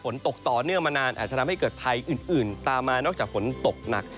ฝนตกต่อเนื่องมานานอาจจะทำให้เกิดภัยอื่นตามมานอกจากฝนตกหนัก